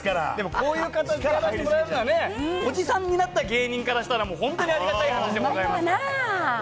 こういう形でやらせてもらえるなんておじさんになった芸人からしたらもう本当にありがたい感じでございます。